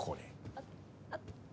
あっあっ。